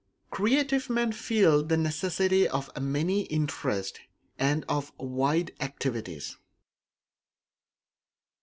Creative men feel the necessity of many interests and of wide activities.